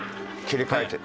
切り替えて。